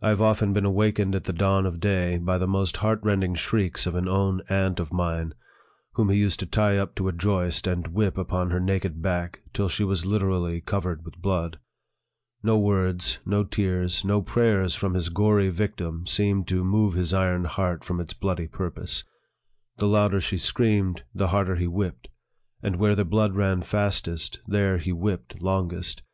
I have often been awakened at the dawn of day by the most heart rending shrieks of an own aunt of mine, whom he used to tie up to a joist, and whip upon her naked back till she was literally covered with blood. No words, no tears, no prayers, from his gory victim, seemed to move his iron heart from its bloody purpose. The louder she screamed, the harder he whipped ; and where the blood ran fastest, there he whipped longest.